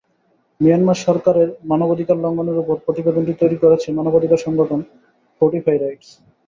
Myanmar সরকারের মানবাধিকার লঙ্ঘনের ওপর প্রতিবেদনটি তৈরি করেছে মানবাধিকার সংগঠন ফোর্টিফাই রাইটস।